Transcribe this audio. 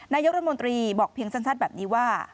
นายกรัฐมนตรีบอกเพียงสั้นแบบนี้ว่า